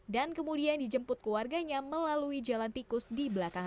dan kemudian dijemput keluarganya melalui jalan tikus di belakang